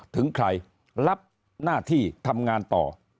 ถึงใครรับหน้าที่ทำงานต่อ